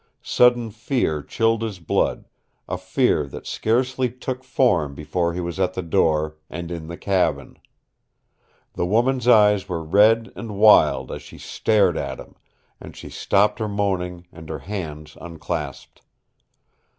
Sudden fear chilled his blood a fear that scarcely took form before he was at the door, and in the cabin. The woman's eyes were red and wild as she stared at him, and she stopped her moaning, and her hands unclasped.